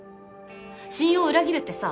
信用を裏切るってさ